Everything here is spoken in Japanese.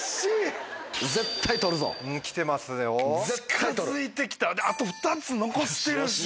近づいて来たあと２つ残してるし！